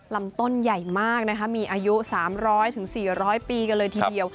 ลำต้นใหญ่มากนะคะมีอายุ๓๐๐๔๐๐ปีกันเลยทีเดียว